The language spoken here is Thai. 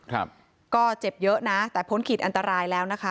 ครับก็เจ็บเยอะนะแต่พ้นขีดอันตรายแล้วนะคะ